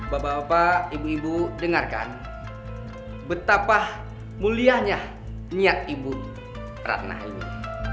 bapak bapak ibu ibu dengarkan betapa mulianya niat ibu ratna ini